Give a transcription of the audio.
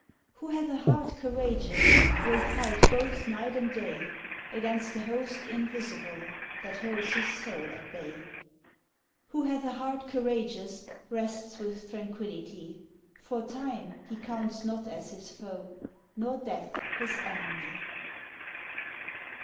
Who hath a heart courageous Will fight both night and day, Against the Host Invisible That holds his soul at bay, Who hath a heart courageous Rests with tranquillity, For Time he counts not as his foe, Nor Death his enemy.